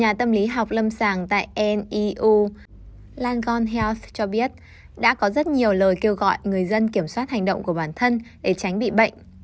các trường hợp lâm sàng tại neu langone health cho biết đã có rất nhiều lời kêu gọi người dân kiểm soát hành động của bản thân để tránh bị bệnh